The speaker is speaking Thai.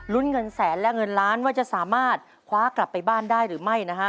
เงินแสนและเงินล้านว่าจะสามารถคว้ากลับไปบ้านได้หรือไม่นะฮะ